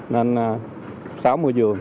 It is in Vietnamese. nên sáu mươi dường